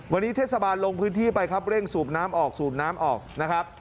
วันนี้เทศบาลลงพื้นที่ไปครับเร่งสูบน้ำออกสูบน้ำออกนะครับ